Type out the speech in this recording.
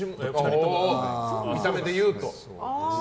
見た目で言うと。